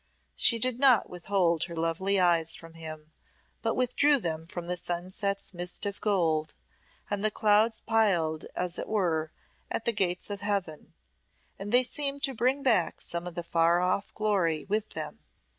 She did not withhold her lovely eyes from him, but withdrew them from the sunset's mist of gold, and the clouds piled as it were at the gates of heaven, and they seemed to bring back some of the far off glory with them.